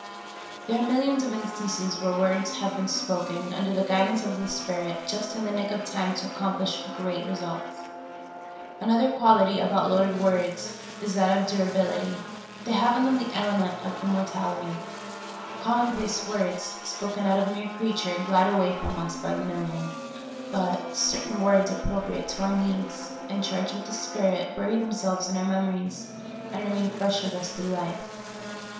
There are millions of instances where words have been spoken, under the guidance of the Spirit, just in the nick of time to accomplish great results. Another quality about loaded words is that of dura bility ; they have in them the element of immortality. LOADED WORDS. 1 9 Common place words, spoken out of the mere creature, glide away from us by the million ; but certain words, appropriate to our needs and charged with the Spirit, bury themselves in our memories, and remain fresh with us through life.